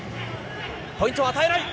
ポイントを与えない。